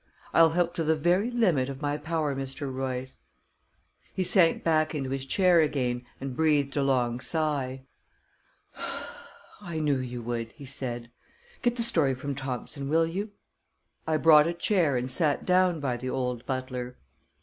"I'll help to the very limit of my power, Mr. Royce." He sank back into his chair again, and breathed a long sigh. "I knew you would," he said. "Get the story from Thompson, will you?" I brought a chair, and sat down by the old butler.